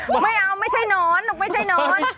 ไม่เอาไม่ใช่น้อน